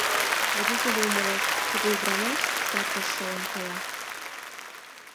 Водитель умылыш, тиде ӱдырамаш сар деч шылын кая.